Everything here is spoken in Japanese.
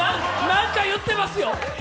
何か言ってますよ。